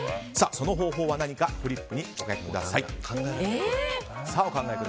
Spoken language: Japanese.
その方法は何かフリップにお書きください。